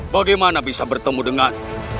bagaimana bisa bertemu dengan